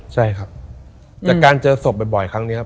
ใช่ครับจากการเจอศพบ่อยครั้งนี้ครับ